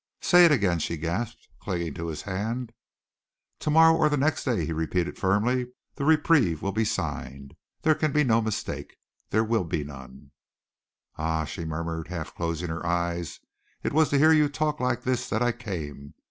"Say it again!" she gasped, clinging to his hand. "To morrow or the next day," he repeated firmly, "the reprieve will be signed. There can be no mistake. There will be none." "Ah!" she murmured, half closing her eyes. "It was to hear you talk like this that I came.